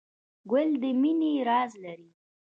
ګل د مینې راز لري.